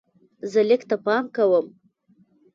زه لیک ته پام کوم.